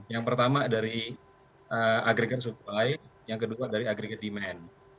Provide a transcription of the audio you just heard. yang pertama dari agregat supply yang kedua dari agregat demand